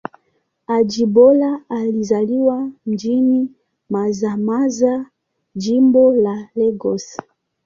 Ajibola alizaliwa mjini Mazamaza, Jimbo la Lagos.